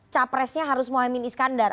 capresnya harus mohamad iskandar